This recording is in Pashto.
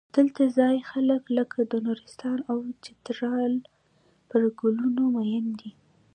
دلته ځايي خلک لکه د نورستان او چترال پر ګلونو مین دي.